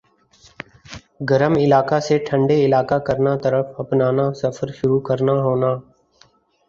گرم علاقہ سے ٹھنڈے علاقہ کرنا طرف اپنانا سفر شروع کرنا ہونا